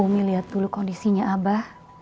kami lihat dulu kondisinya abah